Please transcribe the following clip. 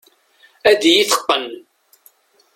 Ad iyi-teqqen.